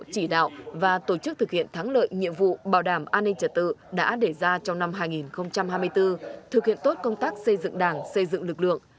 các vụ bảo đảm an ninh trật tự đã để ra trong năm hai nghìn hai mươi bốn thực hiện tốt công tác xây dựng đảng xây dựng lực lượng